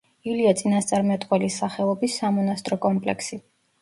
ილია წინასწარმეტყველის სახელობის სამონასტრო კომპლექსი.